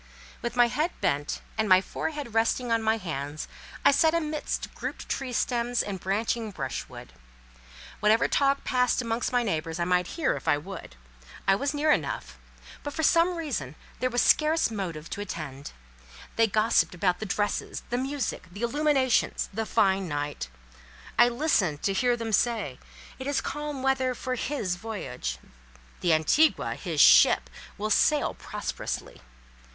With my head bent, and my forehead resting on my hands, I sat amidst grouped tree stems and branching brushwood. Whatever talk passed amongst my neighbours, I might hear, if I would; I was near enough; but for some time, there was scarce motive to attend. They gossiped about the dresses, the music, the illuminations, the fine night. I listened to hear them say, "It is calm weather for his voyage; the Antigua" (his ship) "will sail prosperously."